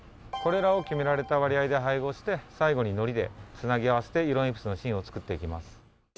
これらを決められた割合で配合して最後に「のり」でつなぎ合わせて色鉛筆の芯を作っていきます。